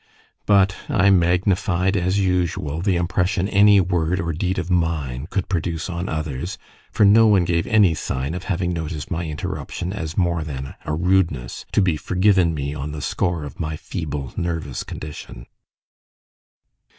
But I magnified, as usual, the impression any word or deed of mine could produce on others; for no one gave any sign of having noticed my interruption as more than a rudeness, to be forgiven me on the score of my feeble nervous condition.